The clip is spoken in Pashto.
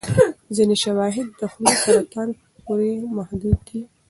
ځینې شواهد د خولې سرطان پورې محدود دي.